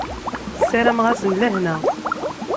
Sarameɣ-asen lehna.